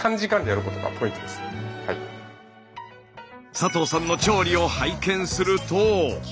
佐藤さんの調理を拝見すると。